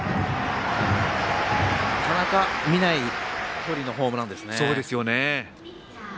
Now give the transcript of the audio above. なかなか見ない距離のホームランですね。